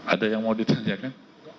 ada yang mau ditanya kan